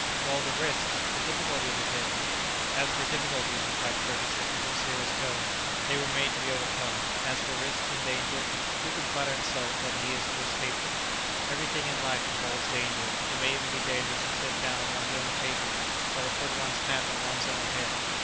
"Well, the risks, the difficulty of the thing." "As for difficulties," replied Ferguson, in a serious tone, "they were made to be overcome; as for risks and dangers, who can flatter himself that he is to escape them? Every thing in life involves danger; it may even be dangerous to sit down at one's own table, or to put one's hat on one's own head.